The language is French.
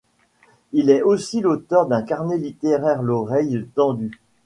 Il est aussi l'auteur d'un carnet littéraire, L'Oreille tendue.